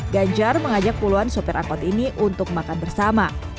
ganjar mengajak puluhan sopir angkot ini untuk makan bersama